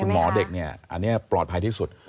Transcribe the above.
หมอเด็กปลอดภัยที่สุด